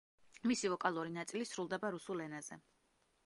მისი ვოკალური ნაწილი სრულდება რუსულ ენაზე.